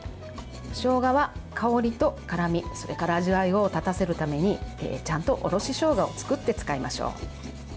しょうがは香りと辛みそれから味わいを立たせるためにちゃんとおろししょうがを作って使いましょう。